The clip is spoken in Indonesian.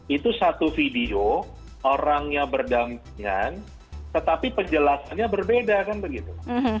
itu satu video orangnya berdampingan tetapi penjelasannya berbeda kan begitu